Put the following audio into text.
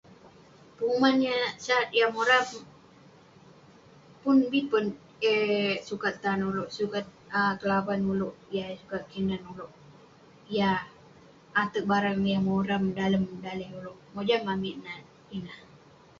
Penguman yah sat, yah moram pun bi peh eh sukat tan ulouk, sukat kelavan ulouk. Yah eh sukat kinan ulouk. Yah ateg barang yah moram dalem daleh ulouk, mojam amik nat ineh.